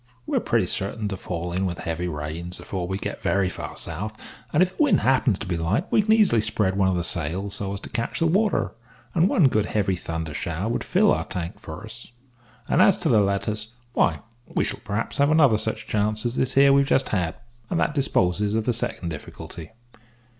We are pretty certain to fall in with heavy rains afore we get very far south; and if the wind happens to be light we can easily spread one of the sails so as to catch the water, and one good heavy thunder shower would fill our tank for us, and as to letters, why, we shall perhaps have such another chance as this here that we've just had, and that disposes of the second difficulty.